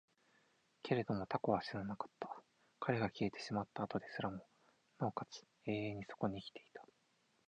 けれども蛸は死ななかった。彼が消えてしまった後ですらも、尚且つ永遠にそこに生きていた。